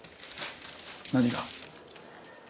何が？